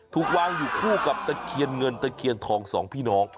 ถูกวางอยู่คู่กับตะเคียนเงินตะเคียนทองสองพี่น้อง